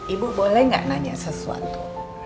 ibu boleh nggak nanya sesuatu